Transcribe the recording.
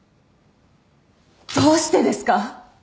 どうしてですか。